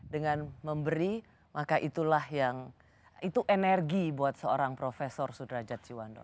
dengan memberi maka itulah yang itu energi buat seorang profesor sudrajat ciwando